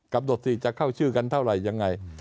กรรมโดรสิทธิ์จะเข้าชื่อกันเท่าไหร่ยังไง